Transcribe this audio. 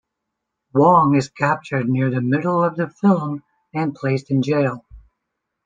Wong is captured near the middle of the film and placed in jail.